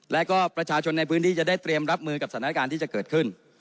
และก็ประชาชนในพื้นที่จะได้เตรียมรับมือกับสถานการณ์ที่จะเกิดขึ้น